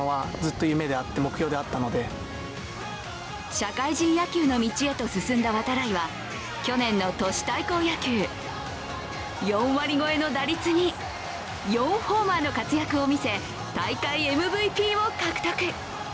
社会人野球の道へと進んだ度会は去年の都市対抗野球、４割超えの打率に４ホーマーの活躍を見せ大会ＭＶＰを獲得。